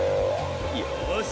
よし！